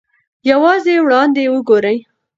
یوازې وړاندې وګورئ.